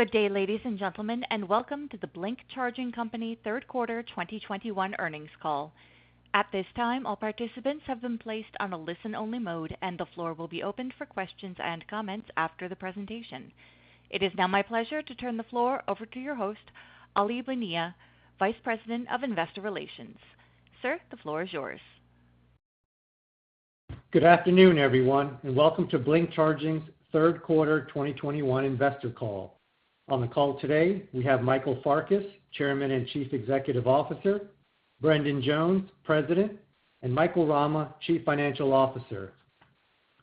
Good day, ladies and gentlemen, and welcome to the Blink Charging Co. third quarter 2021 earnings call. At this time, all participants have been placed on a listen-only mode, and the floor will be opened for questions and comments after the presentation. It is now my pleasure to turn the floor over to your host, Aly Bonilla, Vice President of Investor Relations. Sir, the floor is yours. Good afternoon, everyone, and welcome to Blink Charging's third quarter 2021 investor call. On the call today, we have Michael Farkas, Chairman and Chief Executive Officer, Brendan Jones, President, and Michael Rama, Chief Financial Officer.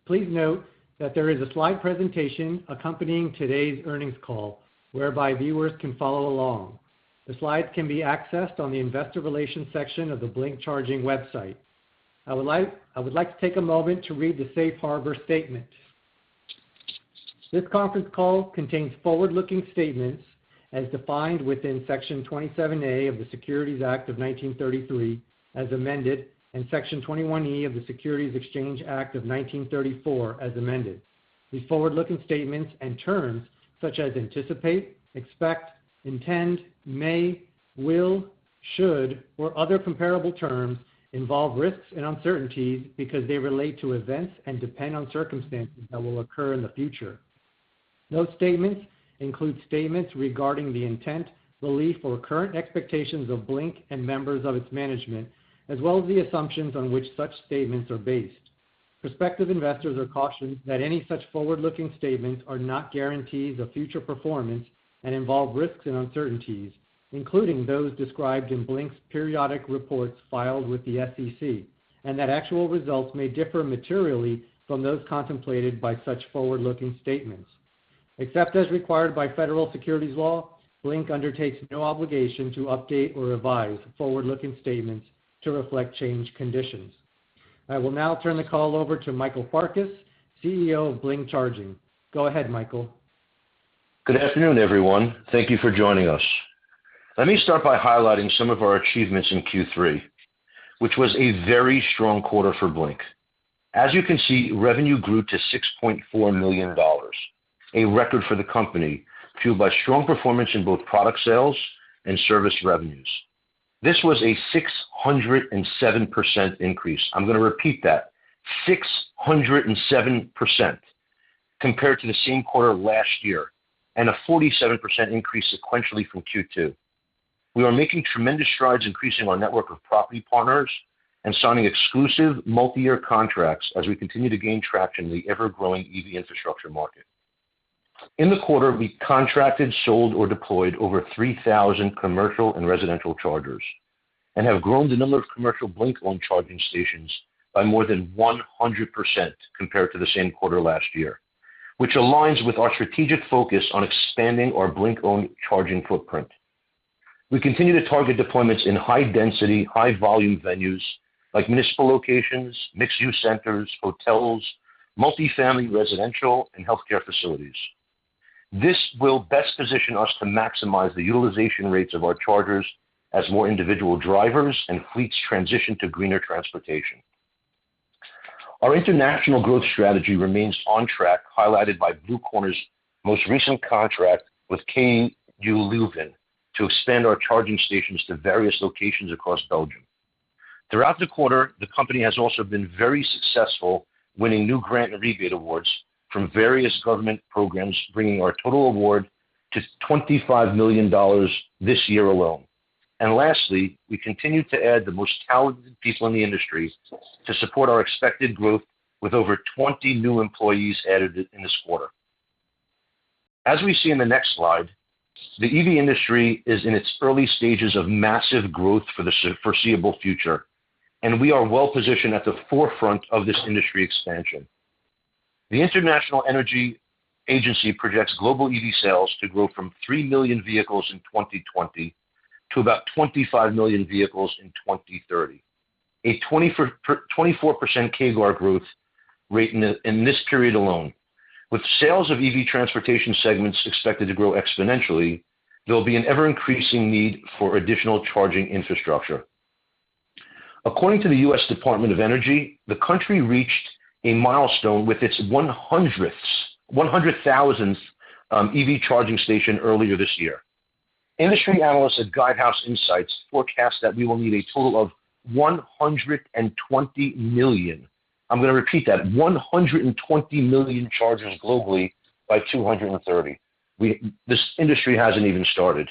Please note that there is a slide presentation accompanying today's earnings call, whereby viewers can follow along. The slides can be accessed on the investor relations section of the Blink Charging website. I would like to take a moment to read the safe harbor statement. This conference call contains forward-looking statements as defined within Section 27A of the Securities Act of 1933 as amended and Section 21E of the Securities Exchange Act of 1934 as amended. These forward-looking statements and terms such as anticipate, expect, intend, may, will, should, or other comparable terms involve risks and uncertainties because they relate to events and depend on circumstances that will occur in the future. Those statements include statements regarding the intent, belief or current expectations of Blink and members of its management, as well as the assumptions on which such statements are based. Prospective investors are cautioned that any such forward-looking statements are not guarantees of future performance and involve risks and uncertainties, including those described in Blink's periodic reports filed with the SEC, and that actual results may differ materially from those contemplated by such forward-looking statements. Except as required by federal securities law, Blink undertakes no obligation to update or revise forward-looking statements to reflect changed conditions. I will now turn the call over to Michael Farkas, CEO of Blink Charging. Go ahead, Michael. Good afternoon, everyone. Thank you for joining us. Let me start by highlighting some of our achievements in Q3, which was a very strong quarter for Blink. As you can see, revenue grew to $6.4 million, a record for the company, fueled by strong performance in both product sales and service revenues. This was a 607% increase. I'm going to repeat that. 607% compared to the same quarter last year, and a 47% increase sequentially from Q2. We are making tremendous strides increasing our network of property partners and signing exclusive multi-year contracts as we continue to gain traction in the ever-growing EV infrastructure market. In the quarter, we contracted, sold, or deployed over 3,000 commercial and residential chargers and have grown the number of commercial Blink-owned charging stations by more than 100% compared to the same quarter last year, which aligns with our strategic focus on expanding our Blink-owned charging footprint. We continue to target deployments in high density, high volume venues like municipal locations, mixed-use centers, hotels, multi-family residential and healthcare facilities. This will best position us to maximize the utilization rates of our chargers as more individual drivers and fleets transition to greener transportation. Our international growth strategy remains on track, highlighted by Blue Corner's most recent contract with KU Leuven to expand our charging stations to various locations across Belgium. Throughout the quarter, the company has also been very successful winning new grant and rebate awards from various government programs, bringing our total award to $25 million this year alone. Lastly, we continue to add the most talented people in the industry to support our expected growth with over 20 new employees added in this quarter. As we see in the next slide, the EV industry is in its early stages of massive growth for the foreseeable future, and we are well positioned at the forefront of this industry expansion. The International Energy Agency projects global EV sales to grow from three million vehicles in 2020 to about 25 million vehicles in 2030, a 24% CAGR growth rate in this period alone. With sales of EV transportation segments expected to grow exponentially, there will be an ever-increasing need for additional charging infrastructure. According to the U.S. Department of Energy, the country reached a milestone with its 100,000th EV charging station earlier this year. Industry analysts at Guidehouse Insights forecast that we will need a total of $120 million. I'm going to repeat that, $120 million chargers globally by 2030. This industry hasn't even started.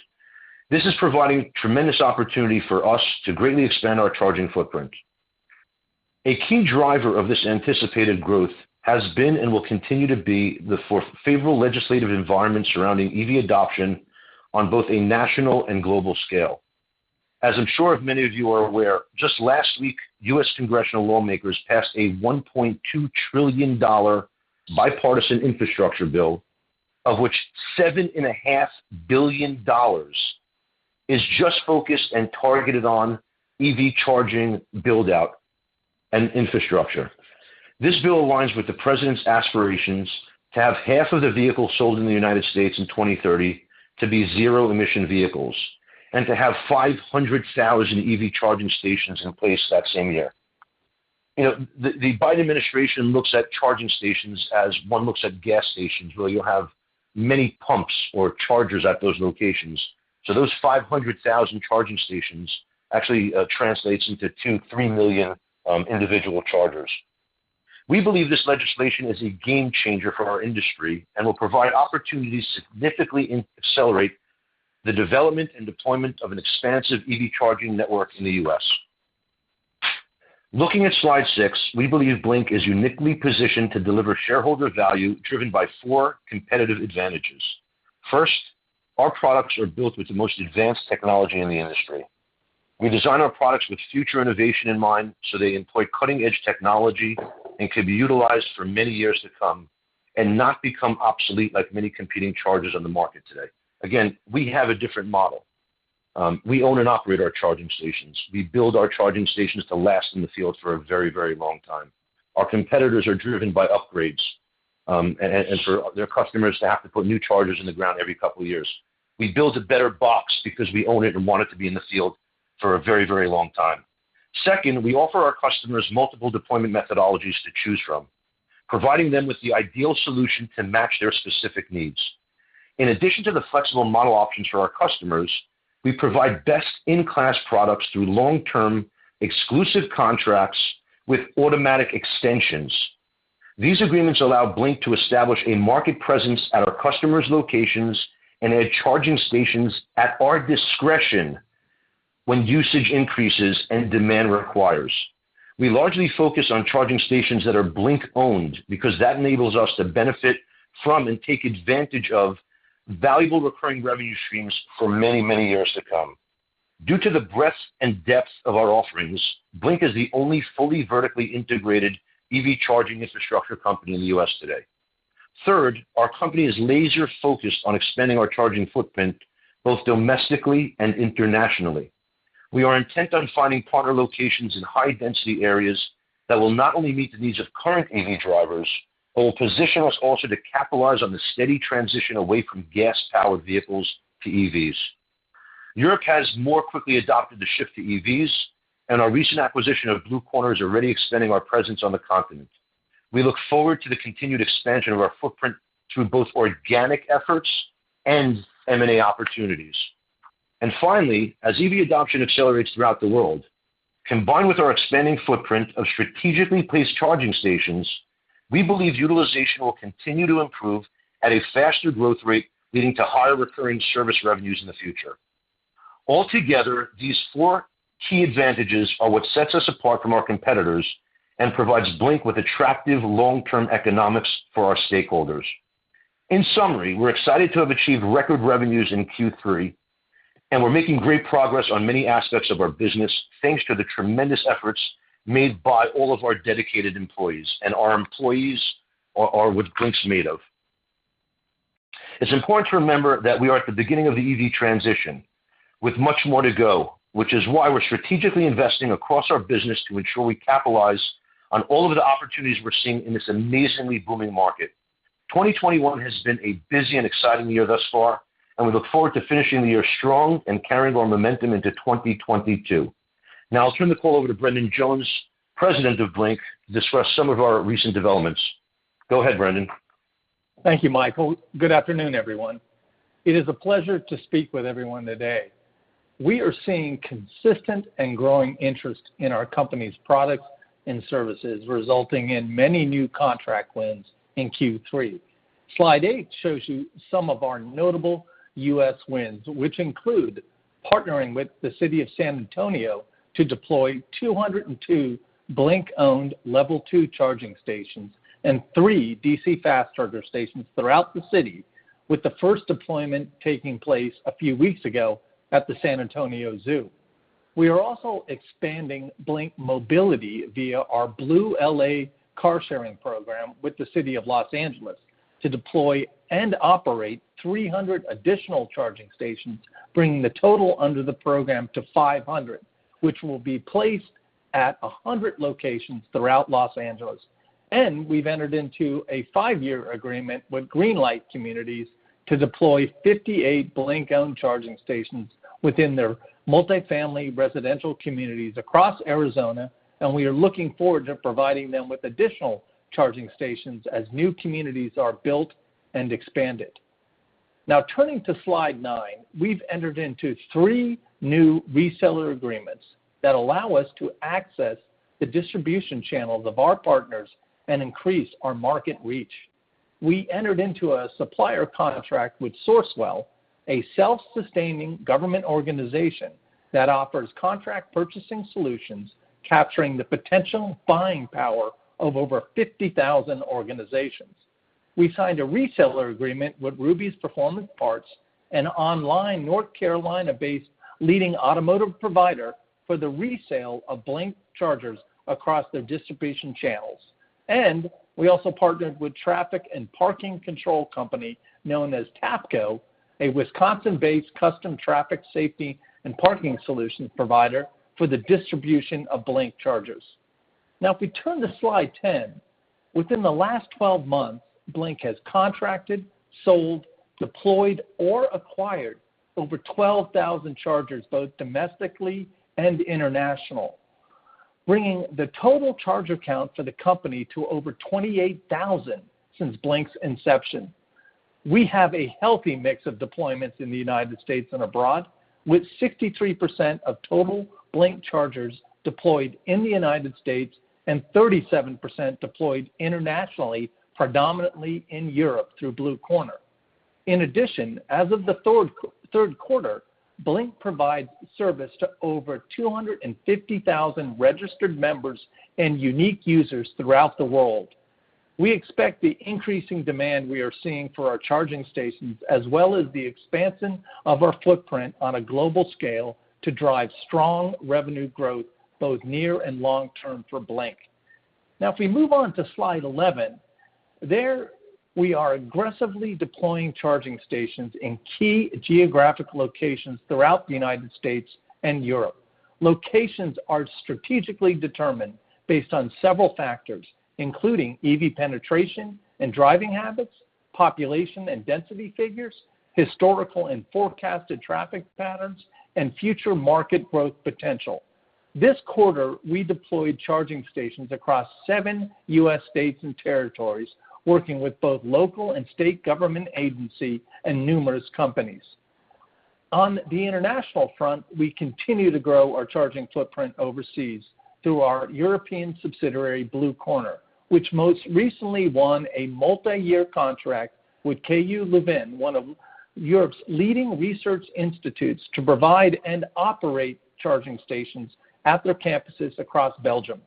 This is providing tremendous opportunity for us to greatly expand our charging footprint. A key driver of this anticipated growth has been and will continue to be the favorable legislative environment surrounding EV adoption on both a national and global scale. As I'm sure many of you are aware, just last week, U.S. congressional lawmakers passed a $1.2 trillion bipartisan infrastructure bill of which $7.5 billion is just focused and targeted on EV charging build-out and infrastructure. This bill aligns with the president's aspirations to have half of the vehicles sold in the United States in 2030 to be zero-emission vehicles and to have 500,000 EV charging stations in place that same year. You know, the Biden administration looks at charging stations as one looks at gas stations where you have many pumps or chargers at those locations. So those 500,000 charging stations actually translates into two to three million individual chargers. We believe this legislation is a game changer for our industry and will provide opportunities to significantly accelerate the development and deployment of an expansive EV charging network in the U.S. Looking at slide six, we believe Blink is uniquely positioned to deliver shareholder value driven by four competitive advantages. First, our products are built with the most advanced technology in the industry. We design our products with future innovation in mind, so they employ cutting-edge technology and can be utilized for many years to come and not become obsolete like many competing chargers on the market today. Again, we have a different model. We own and operate our charging stations. We build our charging stations to last in the field for a very, very long time. Our competitors are driven by upgrades, and for their customers to have to put new chargers in the ground every couple of years. We build a better box because we own it and want it to be in the field for a very, very long time. Second, we offer our customers multiple deployment methodologies to choose from, providing them with the ideal solution to match their specific needs. In addition to the flexible model options for our customers, we provide best-in-class products through long-term exclusive contracts with automatic extensions. These agreements allow Blink to establish a market presence at our customers' locations and add charging stations at our discretion when usage increases and demand requires. We largely focus on charging stations that are Blink-owned because that enables us to benefit from and take advantage of valuable recurring revenue streams for many, many years to come. Due to the breadth and depth of our offerings, Blink is the only fully vertically integrated EV charging infrastructure company in the U.S. today. Third, our company is laser-focused on expanding our charging footprint both domestically and internationally. We are intent on finding partner locations in high-density areas that will not only meet the needs of current EV drivers, but will position us also to capitalize on the steady transition away from gas-powered vehicles to EVs. Europe has more quickly adopted the shift to EVs, and our recent acquisition of Blue Corner is already extending our presence on the continent. We look forward to the continued expansion of our footprint through both organic efforts and M&A opportunities. Finally, as EV adoption accelerates throughout the world, combined with our expanding footprint of strategically placed charging stations, we believe utilization will continue to improve at a faster growth rate, leading to higher recurring service revenues in the future. Altogether, these four key advantages are what sets us apart from our competitors and provides Blink with attractive long-term economics for our stakeholders. In summary, we're excited to have achieved record revenues in Q3, and we're making great progress on many aspects of our business, thanks to the tremendous efforts made by all of our dedicated employees. Our employees are what Blink's made of. It's important to remember that we are at the beginning of the EV transition with much more to go, which is why we're strategically investing across our business to ensure we capitalize on all of the opportunities we're seeing in this amazingly booming market. 2021 has been a busy and exciting year thus far, and we look forward to finishing the year strong and carrying our momentum into 2022. Now I'll turn the call over to Brendan Jones, President of Blink, to discuss some of our recent developments. Go ahead, Brendan. Thank you, Michael. Good afternoon, everyone. It is a pleasure to speak with everyone today. We are seeing consistent and growing interest in our company's products and services, resulting in many new contract wins in Q3. Slide eight shows you some of our notable U.S. wins, which include partnering with the city of San Antonio to deploy 202 Blink-owned Level Two charging stations and 3 DC fast charger stations throughout the city, with the first deployment taking place a few weeks ago at the San Antonio Zoo. We are also expanding Blink Mobility via our BlueLA car sharing program with the city of Los Angeles to deploy and operate 300 additional charging stations, bringing the total under the program to 500, which will be placed at 100 locations throughout Los Angeles. We've entered into a five-year agreement with Greenlight Communities to deploy 58 Blink-owned charging stations within their multifamily residential communities across Arizona, and we are looking forward to providing them with additional charging stations as new communities are built and expanded. Now, turning to slide nine, we've entered into three new reseller agreements that allow us to access the distribution channels of our partners and increase our market reach. We entered into a supplier contract with Sourcewell, a self-sustaining government organization that offers contract purchasing solutions, capturing the potential buying power of over 50,000 organizations. We signed a reseller agreement with Rudy's Performance Parts, an online North Carolina-based leading automotive provider, for the resale of Blink chargers across their distribution channels. We also partnered with Traffic and Parking Control Co., Inc., known as TAPCO, a Wisconsin-based custom traffic safety and parking solutions provider, for the distribution of Blink chargers. Now if we turn to slide 10. Within the last 12 months, Blink has contracted, sold, deployed, or acquired over 12,000 chargers, both domestically and internationally, bringing the total charger count for the company to over 28,000 since Blink's inception. We have a healthy mix of deployments in the United States and abroad, with 63% of total Blink chargers deployed in the United States and 37% deployed internationally, predominantly in Europe through Blue Corner. In addition, as of the third quarter, Blink provides service to over 250,000 registered members and unique users throughout the world. We expect the increasing demand we are seeing for our charging stations, as well as the expansion of our footprint on a global scale to drive strong revenue growth, both near and long term for Blink. Now, if we move on to slide 11, there we are aggressively deploying charging stations in key geographic locations throughout the United States and Europe. Locations are strategically determined based on several factors, including EV penetration and driving habits, population and density figures, historical and forecasted traffic patterns, and future market growth potential. This quarter, we deployed charging stations across seven U.S. states and territories, working with both local and state government agency and numerous companies. On the international front, we continue to grow our charging footprint overseas through our European subsidiary, Blue Corner, which most recently won a multi-year contract with KU Leuven, one of Europe's leading research institutes, to provide and operate charging stations at their campuses across Belgium.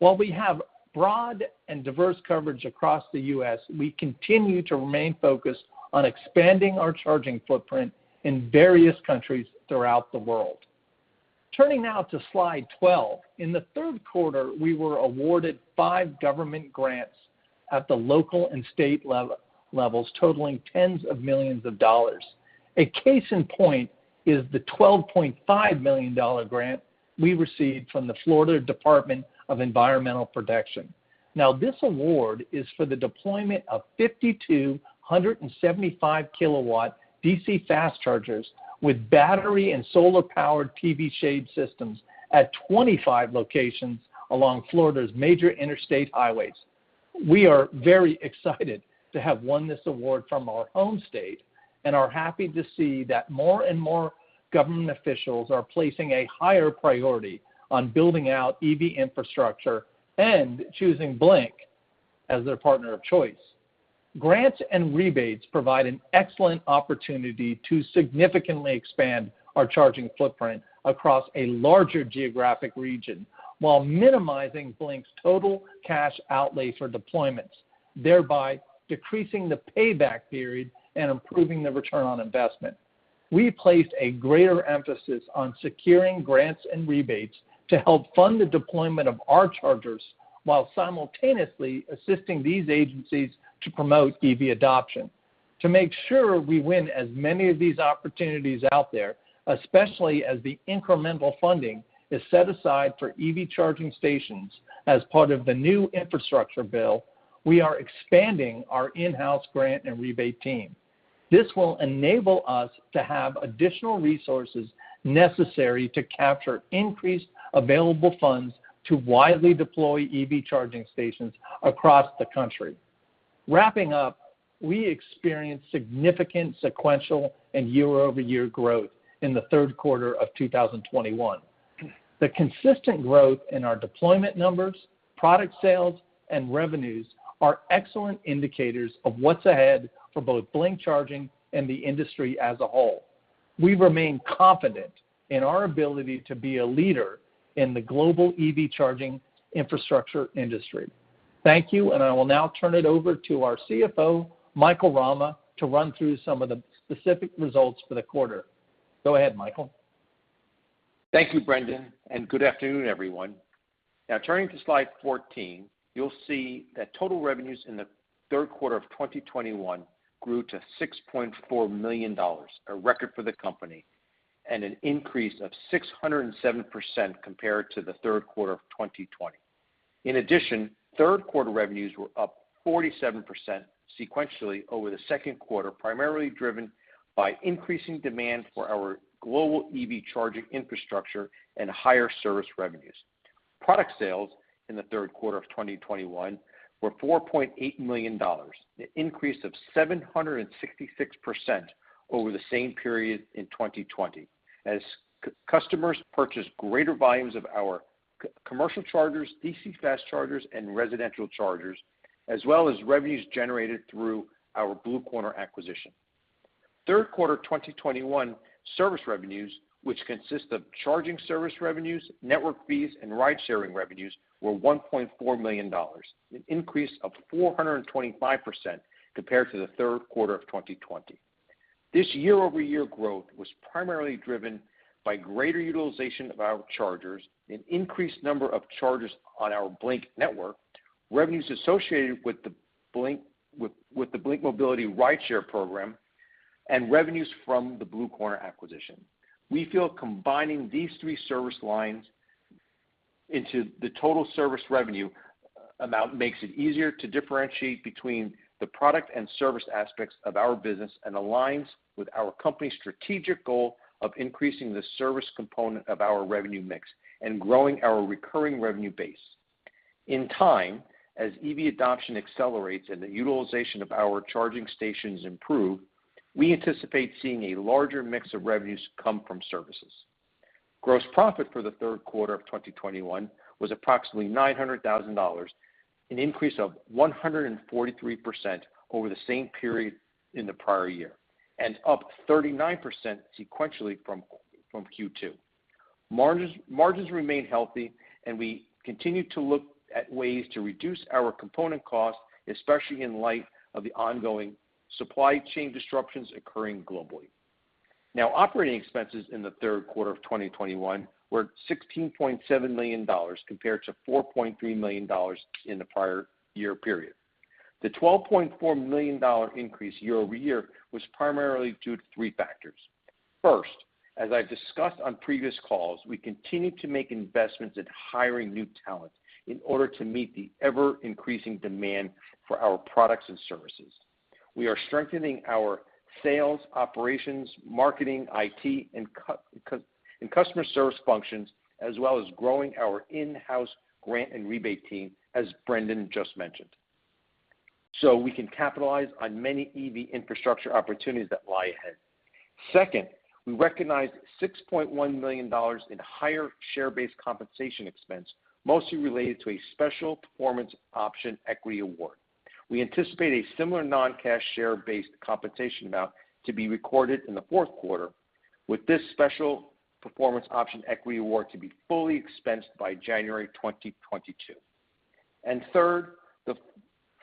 While we have broad and diverse coverage across the U.S., we continue to remain focused on expanding our charging footprint in various countries throughout the world. Turning now to slide 12. In the third quarter, we were awarded five government grants at the local and state levels, totaling tens of millions of dollars. A case in point is the $12.5 million grant we received from the Florida Department of Environmental Protection. Now, this award is for the deployment of 5,275 KW DC fast chargers with battery and solar-powered PV shade systems at 25 locations along Florida's major interstate highways. We are very excited to have won this award from our own state and are happy to see that more and more government officials are placing a higher priority on building out EV infrastructure and choosing Blink as their partner of choice. Grants and rebates provide an excellent opportunity to significantly expand our charging footprint across a larger geographic region while minimizing Blink's total cash outlay for deployments, thereby decreasing the payback period and improving the return on investment. We placed a greater emphasis on securing grants and rebates to help fund the deployment of our chargers while simultaneously assisting these agencies to promote EV adoption. To make sure we win as many of these opportunities out there, especially as the incremental funding is set aside for EV charging stations as part of the new infrastructure bill, we are expanding our in-house grant and rebate team. This will enable us to have additional resources necessary to capture increased available funds to widely deploy EV charging stations across the country. Wrapping up, we experienced significant sequential and year-over-year growth in the third quarter of 2021. The consistent growth in our deployment numbers, product sales, and revenues are excellent indicators of what's ahead for both Blink Charging and the industry as a whole. We remain confident in our ability to be a leader in the global EV charging infrastructure industry. Thank you, and I will now turn it over to our CFO, Michael Rama, to run through some of the specific results for the quarter. Go ahead, Michael. Thank you, Brendan, and good afternoon, everyone. Now turning to slide 14, you'll see that total revenues in the third quarter of 2021 grew to $6.4 million, a record for the company, and an increase of 607% compared to the third quarter of 2020. Third quarter revenues were up 47% sequentially over the second quarter, primarily driven by increasing demand for our global EV charging infrastructure and higher service revenues. Product sales in the third quarter of 2021 were $4.8 million, an increase of 766% over the same period in 2020 as customers purchased greater volumes of our commercial chargers, DC fast chargers, and residential chargers, as well as revenues generated through our Blue Corner acquisition. Third quarter of 2021 service revenues, which consist of charging service revenues, network fees, and ride-sharing revenues, were $1.4 million, an increase of 425% compared to the third quarter of 2020. This year-over-year growth was primarily driven by greater utilization of our chargers, an increased number of chargers on our Blink Network, revenues associated with the Blink Mobility Rideshare program and revenues from the Blue Corner acquisition. We feel combining these three service lines into the total service revenue amount makes it easier to differentiate between the product and service aspects of our business and aligns with our company's strategic goal of increasing the service component of our revenue mix and growing our recurring revenue base. In time, as EV adoption accelerates and the utilization of our charging stations improve, we anticipate seeing a larger mix of revenues come from services. Gross profit for the third quarter of 2021 was approximately $900,000, an increase of 143% over the same period in the prior year, and up 39% sequentially from Q2. Margins remain healthy, and we continue to look at ways to reduce our component costs, especially in light of the ongoing supply chain disruptions occurring globally. Operating expenses in the third quarter of 2021 were $16.7 million compared to $4.3 million in the prior year period. The $12.4 million increase year over year was primarily due to three factors. First, as I've discussed on previous calls, we continue to make investments in hiring new talent in order to meet the ever-increasing demand for our products and services. We are strengthening our sales, operations, marketing, IT, and customer service functions, as well as growing our in-house grant and rebate team, as Brendan just mentioned, so we can capitalize on many EV infrastructure opportunities that lie ahead. Second, we recognized $6.1 million in higher share-based compensation expense, mostly related to a special performance option equity award. We anticipate a similar non-cash share-based compensation amount to be recorded in the fourth quarter, with this special performance option equity award to be fully expensed by January 2022. Third, the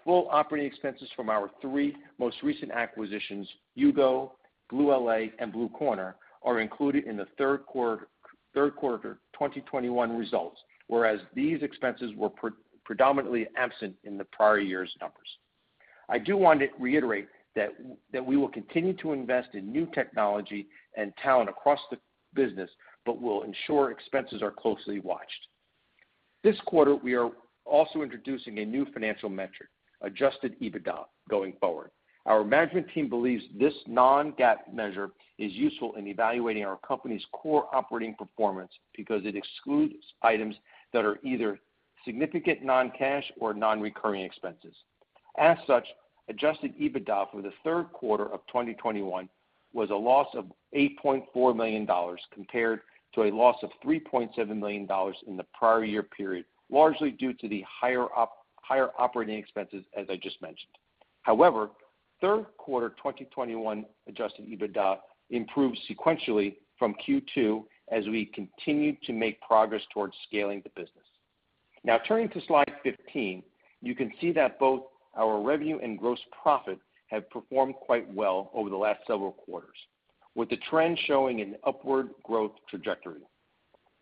full operating expenses from our three most recent acquisitions, U-Go, BlueLA, and Blue Corner, are included in the third quarter 2021 results, whereas these expenses were predominantly absent in the prior year's numbers. I do want to reiterate that we will continue to invest in new technology and talent across the business, but we'll ensure expenses are closely watched. This quarter, we are also introducing a new financial metric, adjusted EBITDA, going forward. Our management team believes this non-GAAP measure is useful in evaluating our company's core operating performance because it excludes items that are either significant non-cash or non-recurring expenses. As such, adjusted EBITDA for the third quarter of 2021 was a loss of $8.4 million compared to a loss of $3.7 million in the prior year period, largely due to the higher operating expenses, as I just mentioned. However, third quarter 2021 adjusted EBITDA improved sequentially from Q2 as we continued to make progress towards scaling the business. Now turning to slide 15, you can see that both our revenue and gross profit have performed quite well over the last several quarters, with the trend showing an upward growth trajectory.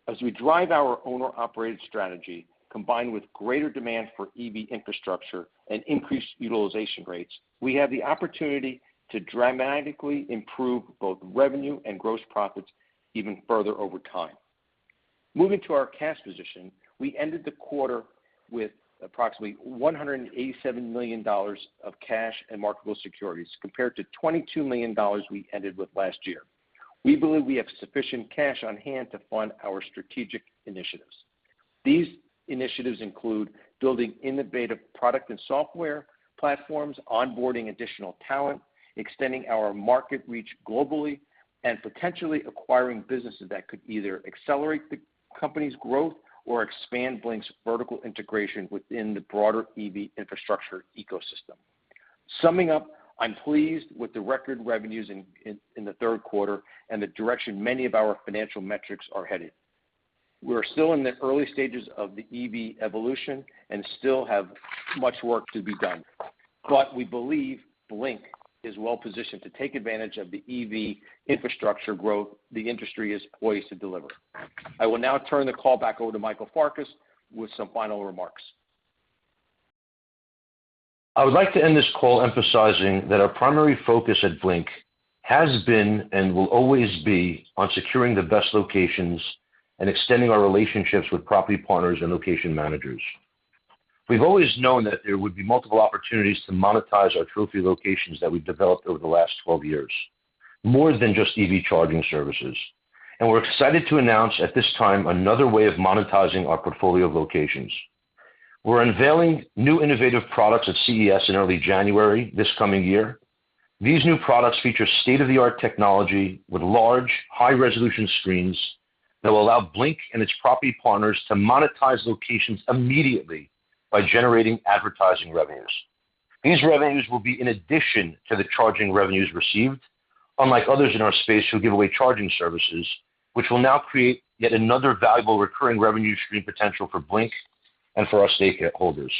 As we drive our owner-operated strategy, combined with greater demand for EV infrastructure and increased utilization rates, we have the opportunity to dramatically improve both revenue and gross profits even further over time. Moving to our cash position, we ended the quarter with approximately $187 million of cash and marketable securities compared to $22 million we ended with last year. We believe we have sufficient cash on hand to fund our strategic initiatives. These initiatives include building innovative product and software platforms, onboarding additional talent, extending our market reach globally, and potentially acquiring businesses that could either accelerate the company's growth or expand Blink's vertical integration within the broader EV infrastructure ecosystem. Summing up, I'm pleased with the record revenues in the third quarter and the direction many of our financial metrics are headed. We're still in the early stages of the EV evolution and still have much work to be done, but we believe Blink is well-positioned to take advantage of the EV infrastructure growth the industry is poised to deliver. I will now turn the call back over to Michael Farkas with some final remarks. I would like to end this call emphasizing that our primary focus at Blink has been and will always be on securing the best locations and extending our relationships with property partners and location managers. We've always known that there would be multiple opportunities to monetize our trophy locations that we've developed over the last 12 years, more than just EV charging services. We're excited to announce at this time another way of monetizing our portfolio of locations. We're unveiling new innovative products at CES in early January this coming year. These new products feature state-of-the-art technology with large, high-resolution screens that will allow Blink and its property partners to monetize locations immediately by generating advertising revenues. These revenues will be in addition to the charging revenues received, unlike others in our space who give away charging services, which will now create yet another valuable recurring revenue stream potential for Blink and for our stakeholders.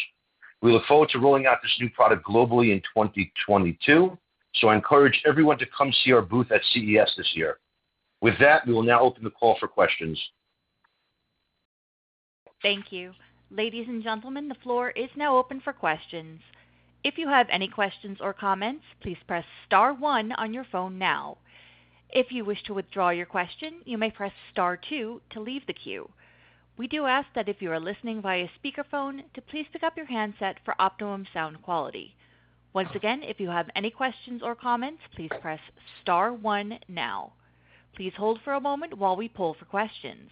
We look forward to rolling out this new product globally in 2022, so I encourage everyone to come see our booth at CES this year. With that, we will now open the call for questions. Thank you. Ladies and gentlemen, the floor is now open for questions. If you have any questions or comments, please press star one on your phone now. If you wish to withdraw your question, you may press star two to leave the queue. We do ask that if you are listening via speakerphone to please pick up your handset for optimum sound quality. Once again, if you have any questions or comments, please press star one now. Please hold for a moment while we pull for questions.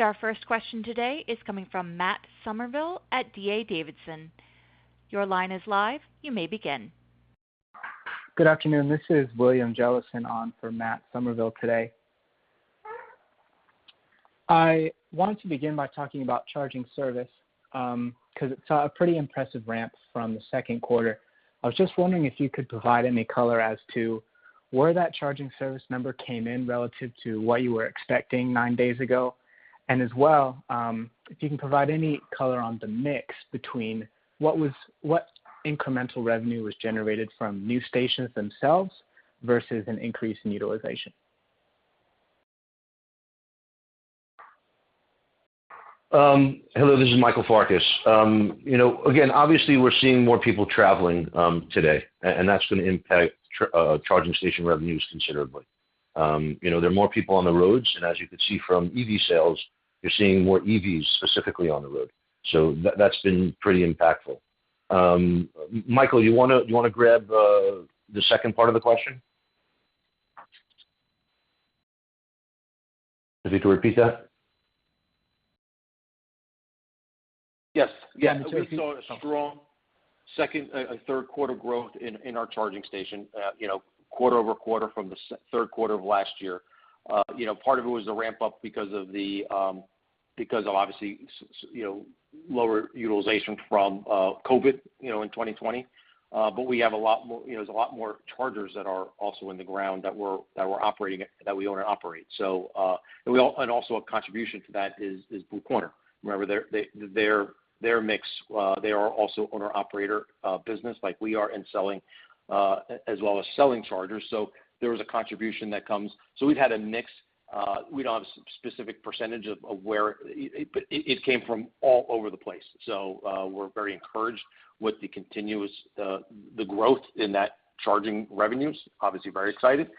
Our first question today is coming from Matt Summerville at D.A. Davidson. Your line is live. You may begin. Good afternoon. This is William Jellison on for Matt Summerville today. I want to begin by talking about charging service because it saw a pretty impressive ramp from the second quarter. I was just wondering if you could provide any color as to where that charging service number came in relative to what you were expecting nine days ago. As well, if you can provide any color on the mix between what incremental revenue was generated from new stations themselves versus an increase in utilization. Hello, this is Michael Farkas. You know, again, obviously we're seeing more people traveling today, and that's going to impact charging station revenues considerably. You know, there are more people on the roads, and as you can see from EV sales, you're seeing more EVs specifically on the road. That's been pretty impactful. Michael, you wanna grab the second part of the question? You need to repeat that? Yes. Yeah. Can you repeat the question? We saw a strong third quarter growth in our charging stations, you know, QoQ from the third quarter of last year. You know, part of it was the ramp up because of the because of obviously lower utilization from COVID, you know, in 2020. But we have a lot more, you know, there's a lot more chargers that are also in the ground that we own and operate. And also, a contribution to that is Blue Corner. Remember their mix. They are also owner operator business like we are in selling as well as selling chargers. There is a contribution that comes. We've had a mix. It came from all over the place. We're very encouraged with the continuous growth in that charging revenues, obviously very excited.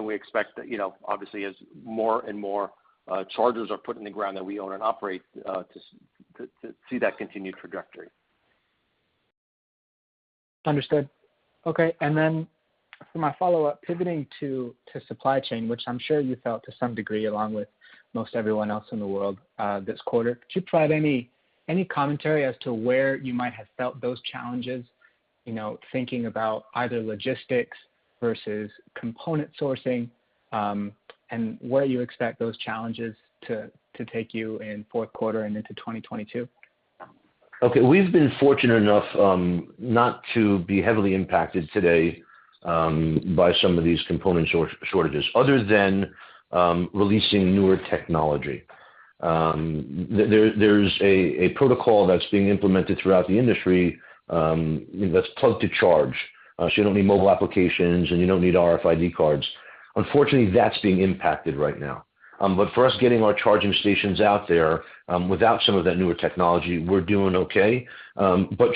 We expect that, you know, obviously as more and more chargers are put in the ground that we own and operate to see that continued trajectory. Understood. Okay. Then for my follow-up, pivoting to supply chain, which I'm sure you felt to some degree along with most everyone else in the world, this quarter. Could you provide any commentary as to where you might have felt those challenges? You know, thinking about either logistics versus component sourcing, and where you expect those challenges to take you in fourth quarter and into 2022. Okay. We've been fortunate enough not to be heavily impacted today by some of these component shortages other than releasing newer technology. There's a protocol that's being implemented throughout the industry that's Plug & Charge. You don't need mobile applications, and you don't need RFID cards. Unfortunately, that's being impacted right now. For us getting our charging stations out there without some of that newer technology, we're doing okay.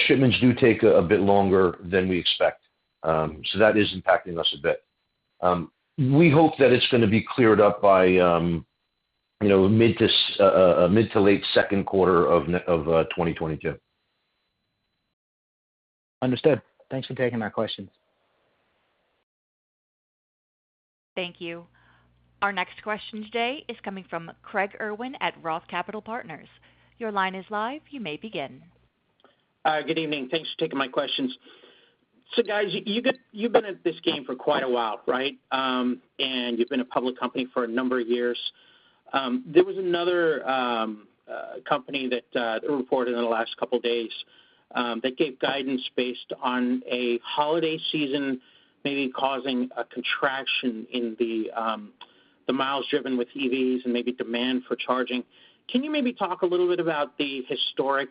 Shipments do take a bit longer than we expect. That is impacting us a bit. We hope that it's gonna be cleared up by, you know, mid to late second quarter of 2022. Understood. Thanks for taking my questions. Thank you. Our next question today is coming from Craig Irwin at Roth Capital Partners. Your line is live. You may begin. Good evening. Thanks for taking my questions. Guys, you've been at this game for quite a while, right? You've been a public company for a number of years. There was another company that reported in the last couple days that gave guidance based on a holiday season maybe causing a contraction in the miles driven with EVs and maybe demand for charging. Can you maybe talk a little bit about the historic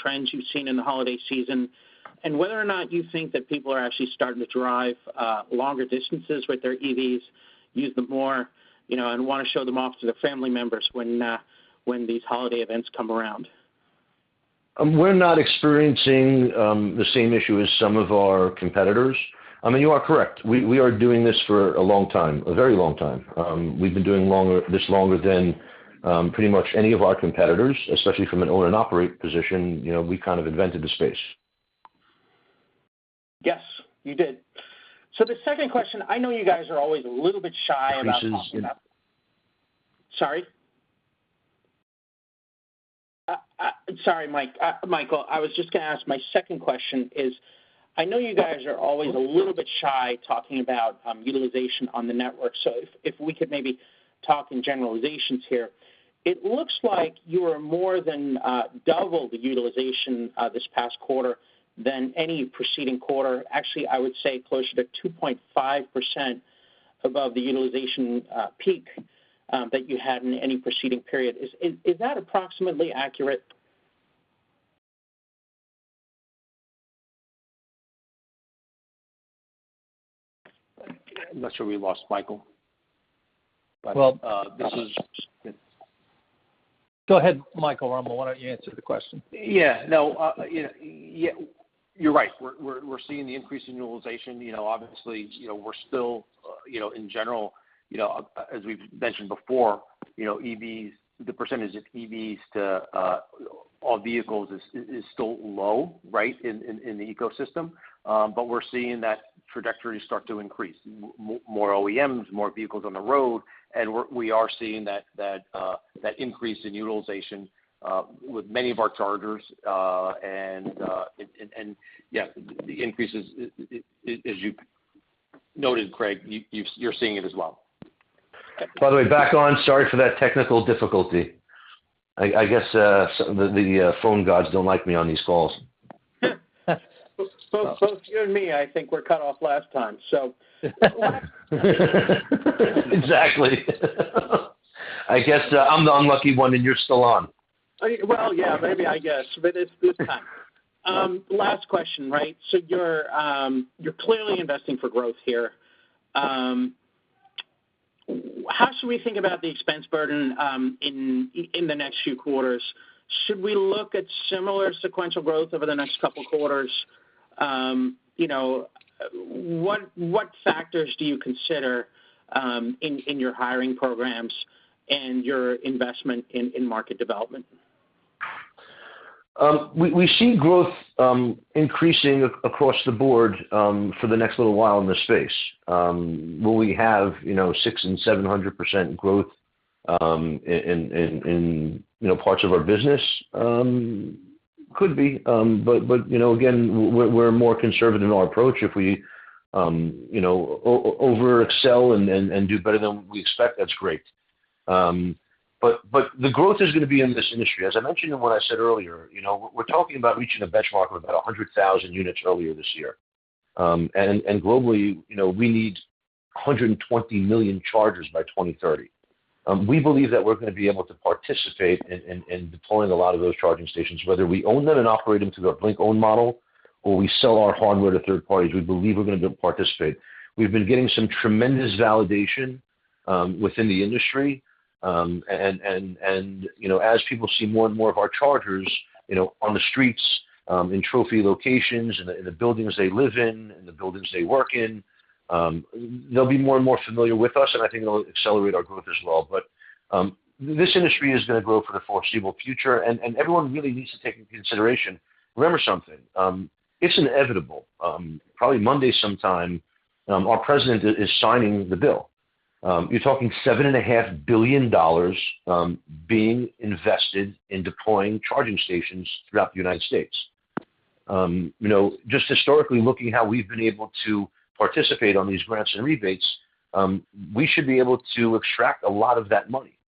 trends you've seen in the holiday season and whether or not you think that people are actually starting to drive longer distances with their EVs, use them more, you know, and want to show them off to their family members when these holiday events come around? We're not experiencing the same issue as some of our competitors. I mean, you are correct. We are doing this for a long time, a very long time. We've been doing this longer than pretty much any of our competitors, especially from an own and operate position. You know, we kind of invented the space. Yes, you did. The second question, I know you guys are always a little bit shy about talking about. Increases in a- Sorry, Michael, I was just gonna ask. My second question is, I know you guys are always a little bit shy talking about utilization on the network. So if we could maybe talk in generalizations here. It looks like you are more than double the utilization this past quarter than any preceding quarter. Actually, I would say closer to 2.5% above the utilization peak that you had in any preceding period. Is that approximately accurate? I'm not sure we lost Michael. Well- This is Go ahead, Michael or Rama, why don't you answer the question? Yeah. No, yeah, you're right. We're seeing the increase in utilization. You know, obviously, you know, we're still, you know, in general, you know, as we've mentioned before, you know, EVs, the percentage of EVs to all vehicles is still low, right, in the ecosystem. But we're seeing that trajectory start to increase. More OEMs, more vehicles on the road, and we are seeing that increase in utilization with many of our chargers. And yeah, the increases as you noted, Craig, you're seeing it as well. By the way, back on. Sorry for that technical difficulty. I guess the phone gods don't like me on these calls. Both you and me, I think, were cut off last time, so. Exactly. I guess, I'm the unlucky one, and you're still on. Well, yeah, maybe, I guess, but it's this time. Last question, right? You're clearly investing for growth here. How should we think about the expense burden in the next few quarters? Should we look at similar sequential growth over the next couple quarters? You know, what factors do you consider in your hiring programs and your investment in market development? We see growth increasing across the board for the next little while in this space. Will we have, you know, 600%-700% growth, you know, in parts of our business? Could be. You know, again, we're more conservative in our approach. If we, you know, over excel and do better than we expect, that's great. The growth is gonna be in this industry. As I mentioned in what I said earlier, you know, we're talking about reaching a benchmark of about 100,000 units earlier this year. Globally, you know, we need $120 million chargers by 2030. We believe that we're gonna be able to participate in deploying a lot of those charging stations, whether we own them and operate them through our Blink Owned model, or we sell our hardware to third parties. We believe we're gonna participate. We've been getting some tremendous validation within the industry. You know, as people see more and more of our chargers, you know, on the streets, in trophy locations, in the buildings they live in and the buildings they work in, they'll be more and more familiar with us, and I think it'll accelerate our growth as well. This industry is gonna grow for the foreseeable future, and everyone really needs to take into consideration. Remember something, it's inevitable. Probably Monday sometime, our president is signing the bill. You're talking $7.5 billion being invested in deploying charging stations throughout the United States. You know, just historically, looking at how we've been able to participate on these grants and rebates, we should be able to extract a lot of that money,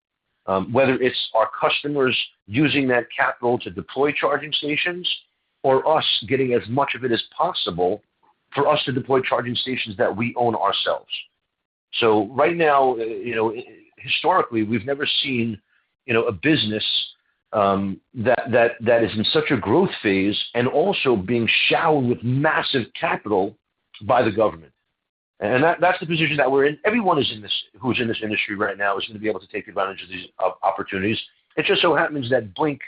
whether it's our customers using that capital to deploy charging stations or us getting as much of it as possible for us to deploy charging stations that we own ourselves. Right now, you know, historically, we've never seen, you know, a business that is in such a growth phase and also being showered with massive capital by the government. That's the position that we're in. Everyone who's in this industry right now is gonna be able to take advantage of these opportunities. It just so happens that Blink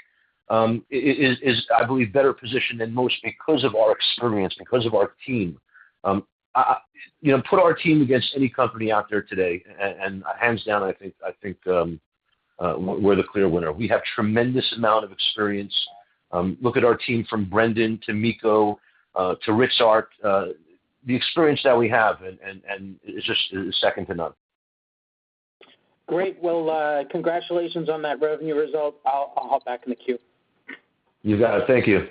is, I believe, better positioned than most because of our experience, because of our team. You know, put our team against any company out there today, and hands down, I think, we're the clear winner. We have tremendous amount of experience. Look at our team from Brendan to Michael to Rich Arch. The experience that we have and is just second to none. Great. Well, congratulations on that revenue result. I'll hop back in the queue. You got it. Thank you.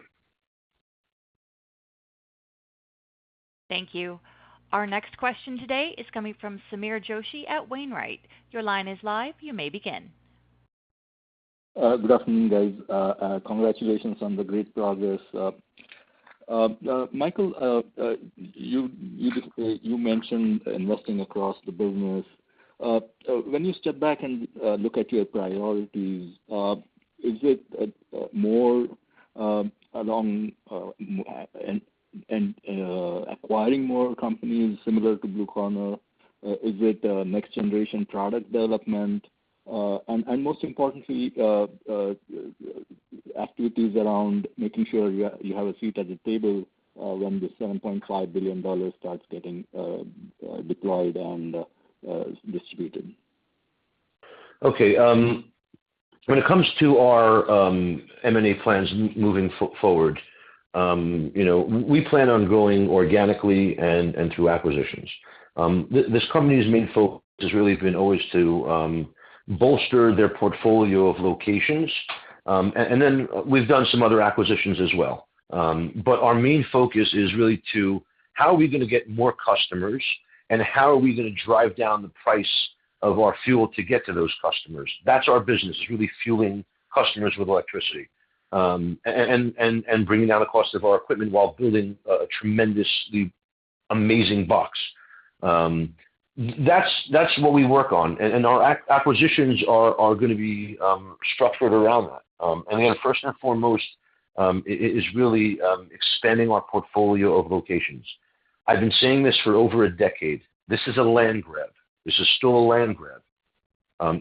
Thank you. Our next question today is coming from Sameer Joshi at Wainwright. Your line is live. You may begin. Good afternoon, guys. Congratulations on the great progress. Michael, you mentioned investing across the business. When you step back and look at your priorities, is it more along and acquiring more companies similar to Blue Corner? Is it next generation product development? Most importantly, activities around making sure you have a seat at the table when the $7.5 billion starts getting deployed and distributed. Okay. When it comes to our M&A plans moving forward, you know, we plan on growing organically and through acquisitions. This company's main focus has really been always to bolster their portfolio of locations. And then we've done some other acquisitions as well. But our main focus is really to how are we gonna get more customers, and how are we gonna drive down the price of our fuel to get to those customers? That's our business, is really fueling customers with electricity and bringing down the cost of our equipment while building a tremendously amazing box. That's what we work on. Our acquisitions are gonna be structured around that. Again, first and foremost, is really expanding our portfolio of locations. I've been saying this for over a decade. This is a land grab. This is still a land grab.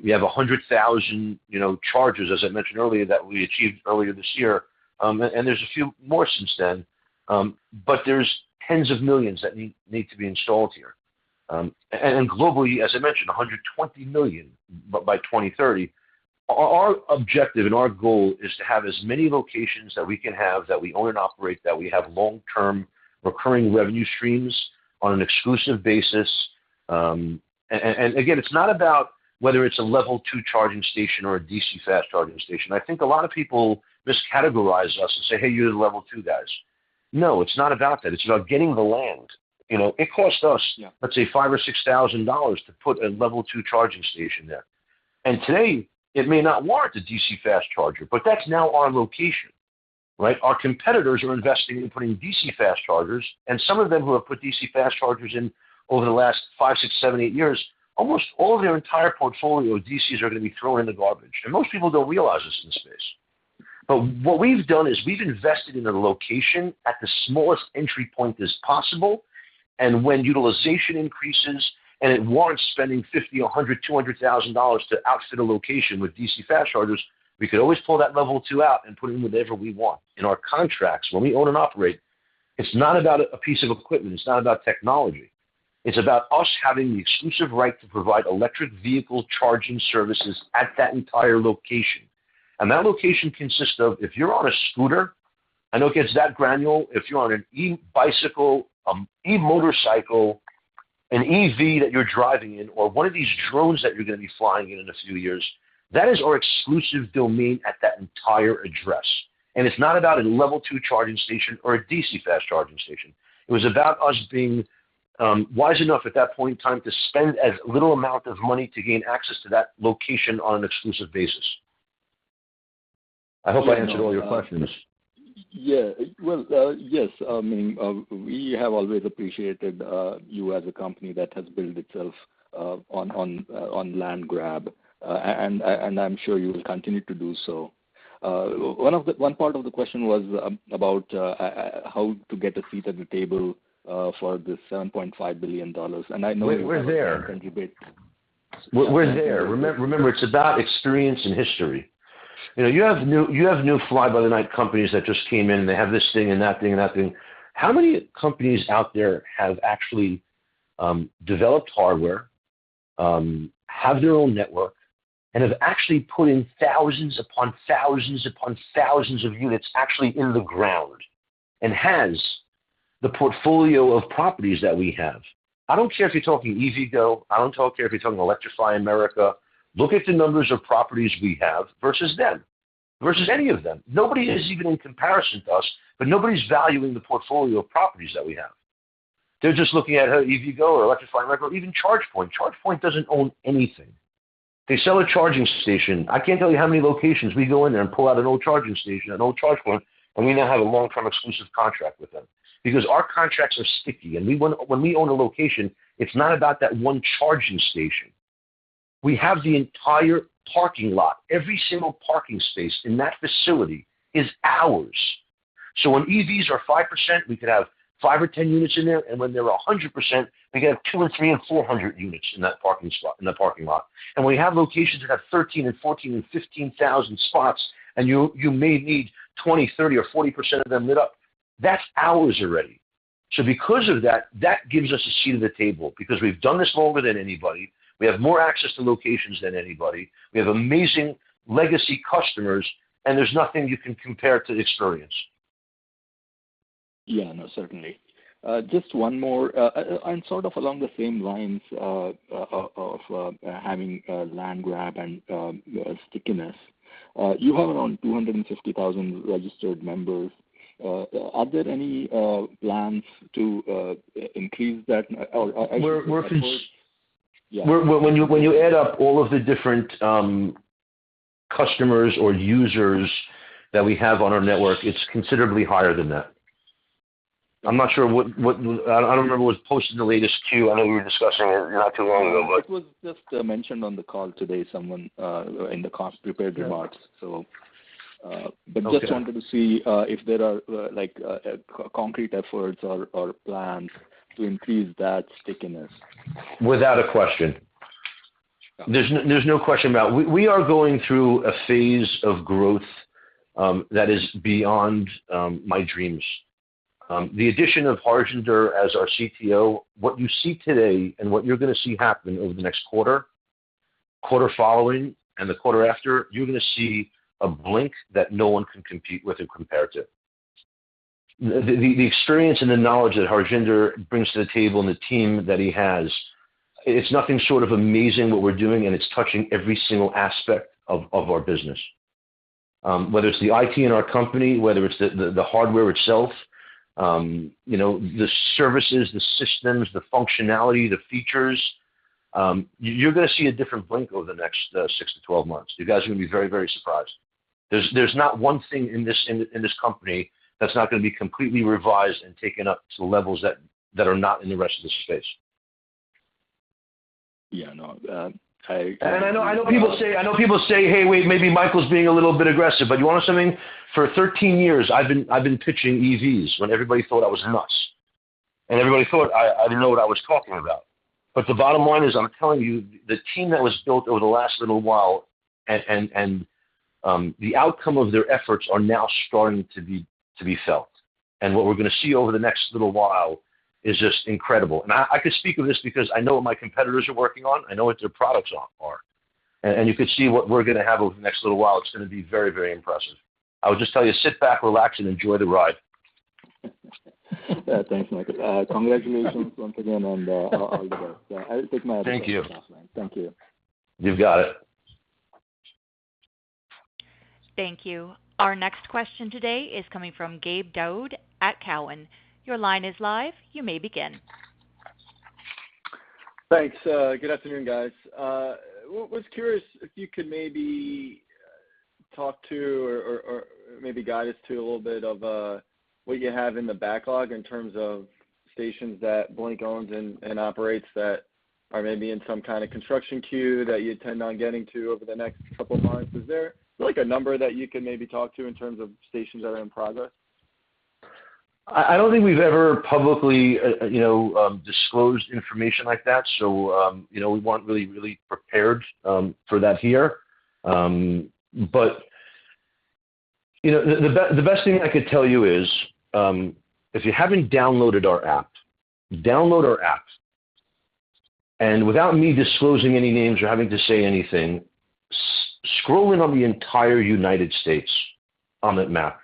We have 100,000, you know, chargers, as I mentioned earlier, that we achieved earlier this year, and there's a few more since then. But there's tens of millions that need to be installed here. Globally, as I mentioned, 120 million by 2030. Our objective and our goal is to have as many locations that we can have that we own and operate, that we have long-term recurring revenue streams on an exclusive basis. Again, it's not about whether it's a Level 2 charging station or a DC fast charging station. I think a lot of people miscategorize us and say, "Hey, you're the Level 2 guys." No, it's not about that. It's about getting the land. You know, it costs us. Yeah Let's say $5,000-$6,000 to put a Level 2 charging station there. Today, it may not warrant a DC fast charger, but that's now our location, right? Our competitors are investing in putting DC fast chargers, and some of them who have put DC fast chargers in over the last five, six, seven, eight years, almost all of their entire portfolio of DCs are gonna be thrown in the garbage. Most people don't realize this in this space. What we've done is we've invested in a location at the smallest entry point as possible, and when utilization increases and it warrants spending $50,000, $100,000, $200,000 to outfit a location with DC fast chargers, we could always pull that Level 2 out and put in whatever we want. In our contracts, when we own and operate, it's not about a piece of equipment, it's not about technology. It's about us having the exclusive right to provide electric vehicle charging services at that entire location. That location consists of, if you're on a scooter, I know it gets that granular. If you're on an e-bicycle, e-motorcycle, an EV that you're driving in or one of these drones that you're gonna be flying in in a few years, that is our exclusive domain at that entire address. It's not about a Level 2 charging station or a DC fast charging station. It was about us being wise enough at that point in time to spend as little amount of money to gain access to that location on an exclusive basis. I hope I answered all your questions. Yeah. Well, yes. I mean, we have always appreciated you as a company that has built itself on land grab. I'm sure you will continue to do so. One part of the question was about how to get a seat at the table for the $7.5 billion. I know- We're there. You can debate. We're there. Remember, it's about experience and history. You know, you have new fly by night companies that just came in, and they have this thing and that thing and that thing. How many companies out there have actually developed hardware, have their own network, and have actually put in thousands upon thousands upon thousands of units actually in the ground, and has the portfolio of properties that we have? I don't care if you're talking EVgo, I don't care if you're talking Electrify America. Look at the numbers of properties we have versus them, versus any of them. Nobody is even in comparison to us, but nobody's valuing the portfolio of properties that we have. They're just looking at EVgo or Electrify America or even ChargePoint. ChargePoint doesn't own anything. They sell a charging station. I can't tell you how many locations we go in there and pull out an old charging station, an old ChargePoint, and we now have a long-term exclusive contract with them. Because our contracts are sticky, and we want, when we own a location, it's not about that one charging station. We have the entire parking lot. Every single parking space in that facility is ours. So, when EVs are 5%, we could have five or 10 units in there, and when they're at 100%, we could have 200 or 300 and 400 units in that parking slot, in the parking lot. We have locations that have 13,000 and 14,000 and 15,000 spots, and you may need 20%, 30% or 40% of them lit up. That's ours already. Because of that gives us a seat at the table because we've done this longer than anybody, we have more access to locations than anybody, we have amazing legacy customers, and there's nothing you can compare to the experience. Yeah. No, certainly. Just one more. Sort of along the same lines of having land grab and stickiness. You have around 250,000 registered members. Are there any plans to increase that or We're cons- Yeah. When you add up all of the different customers or users that we have on our network, it's considerably higher than that. I'm not sure what I don't remember what was posted in the latest Q. I know we were discussing it not too long ago, but It was just mentioned on the call today, someone in the call prepared remarks. Okay. Just wanted to see if there are like concrete efforts or plans to increase that stickiness. Without a question. There's no question about it. We are going through a phase of growth that is beyond my dreams. The addition of Harmeet as our CTO, what you see today and what you're gonna see happen over the next quarter, the following quarter, and the quarter after, you're gonna see a Blink that no one can compete with or compare to. The experience and the knowledge that Harmeet brings to the table and the team that he has, it's nothing short of amazing what we're doing, and it's touching every single aspect of our business. Whether it's the IT in our company, whether it's the hardware itself, you know, the services, the systems, the functionality, the features. You're gonna see a different Blink over the next six to 12 months. You guys are gonna be very, very surprised. There's not one thing in this company that's not gonna be completely revised and taken up to levels that are not in the rest of the space. Yeah. No. I know people say, "Hey, wait, maybe Michael's being a little bit aggressive." But you want to know something? For 13 years I've been pitching EVs when everybody thought I was nuts, and everybody thought I didn't know what I was talking about. But the bottom line is, I'm telling you, the team that was built over the last little while and the outcome of their efforts are now starting to be felt. What we're gonna see over the next little while is just incredible. I can speak of this because I know what my competitors are working on. I know what their products are. You could see what we're gonna have over the next little while. It's gonna be very, very impressive. I'll just tell you, sit back, relax, and enjoy the ride. Yeah. Thanks, Michael. Congratulations once again, and all the best. Yeah. I'll take my other questions offline. Thank you. Thank you. You've got it. Thank you. Our next question today is coming from Gabe Daoud at Cowen. Your line is live. You may begin. Thanks. Good afternoon, guys. Was curious if you could maybe talk to or maybe guide us to a little bit of what you have in the backlog in terms of stations that Blink owns and operates that are maybe in some kind of construction queue that you intend on getting to over the next couple of months. Is there like a number that you can maybe talk to in terms of stations that are in progress? I don't think we've ever publicly, you know, disclosed information like that, so, you know, we weren't really prepared for that here. The best thing I could tell you is, if you haven't downloaded our app, download our app. Without me disclosing any names or having to say anything, scroll in on the entire United States on that map,